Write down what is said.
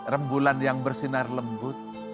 rembulan yang bersinar lembut